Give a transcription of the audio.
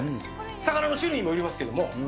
魚の種類にもよりますけど。